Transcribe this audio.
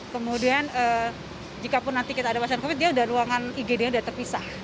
kemudian jikapun nanti kita ada masalah covid sembilan belas ruangan igd sudah terpisah